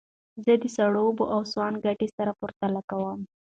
زه د سړو اوبو او سونا ګټې سره پرتله کوم.